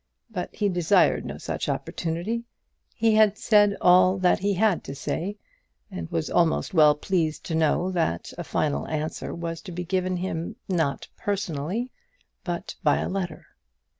But he desired no such opportunity. He had said all that he had to say, and was almost well pleased to know that a final answer was to be given to him, not personally, but by letter.